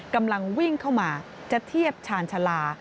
กำลังวิ่งเข้ามาจะเทียบชาญชาลา